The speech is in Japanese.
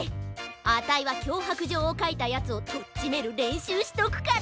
あたいはきょうはくじょうをかいたヤツをとっちめるれんしゅうしとくから。